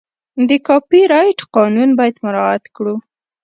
د کاپي رایټ قانون باید مراعت کړو.